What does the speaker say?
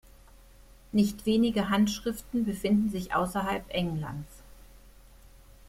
Nicht wenige Handschriften befinden sich außerhalb Englands.